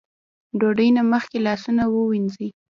ډوډۍ نه مخکې لاسونه ووينځئ ـ